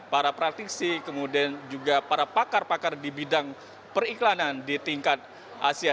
para praktisi kemudian juga para pakar pakar di bidang periklanan di tingkat asia